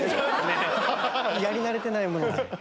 やり慣れてないもので。